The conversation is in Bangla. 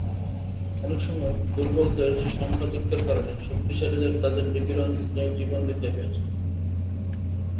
অনেক সময় দুর্বলদের সংখ্যাধিক্যের কারণে শক্তিশালীদের তাদের নিপীড়নে জীবন দিতে হয়েছে।